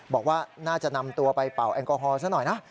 บอกว่าน่าจะนำตัวไปเป่าแอลกอฮอลซะหน่อยนะ